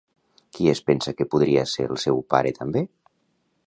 Qui es pensa que podria ser el seu pare també?